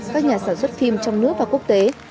các nhà sản xuất phim trong nước và quốc tế